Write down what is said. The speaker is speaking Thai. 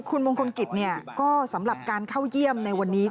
คุณมงคลกิจก็สำหรับการเข้าเยี่ยมในวันนี้